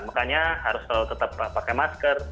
makanya harus tetap pakai masker